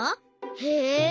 へえ。